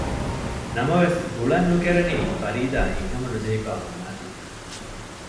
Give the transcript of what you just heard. ނަމަވެސް ގުޅަން ނުކެރެނީ ފަރީދާ ހިތްހަމަ ނުޖެހިފައި ހުންނާތީ